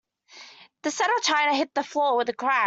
The set of china hit the floor with a crash.